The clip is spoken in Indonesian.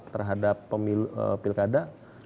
terhadap pemilu pilkada